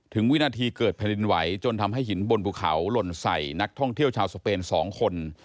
วินาทีเกิดแผ่นดินไหวจนทำให้หินบนภูเขาหล่นใส่นักท่องเที่ยวชาวสเปน๒คน